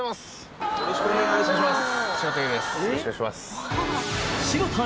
よろしくお願いします。